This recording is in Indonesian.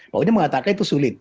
pak ujang mengatakan itu sulit